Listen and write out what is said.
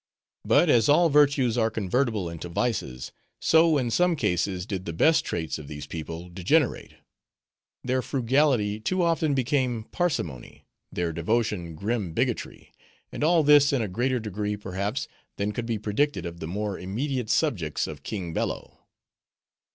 But as all virtues are convertible into vices, so in some cases did the best traits of these people degenerate. Their frugality too often became parsimony; their devotion grim bigotry; and all this in a greater degree perhaps than could be predicated of the more immediate subjects of King Bello.